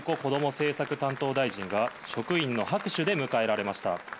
政策担当大臣が、職員の拍手で迎えられました。